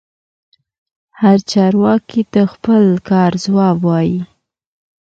هر چارواکي د خپل کار ځواب وايي.